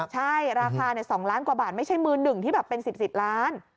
ใช่ราคา๒ล้านกว่าบาทไม่ใช่มือหนึ่งที่แบบเป็น๑๐ล้าน